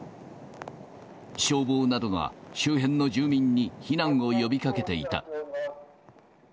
消防などが周辺の住民に避難を呼びかけていた。